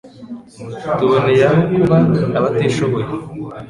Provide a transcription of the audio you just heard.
tuboneye aho kuba abatishoboye